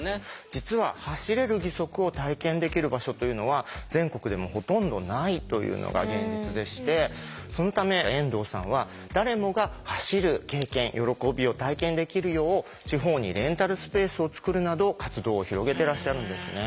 実は走れる義足を体験できる場所というのは全国でもほとんどないというのが現実でしてそのため遠藤さんは誰もが走る経験喜びを体験できるよう地方にレンタルスペースをつくるなど活動を広げてらっしゃるんですね。